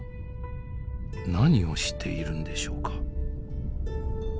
何をしているんでしょうか？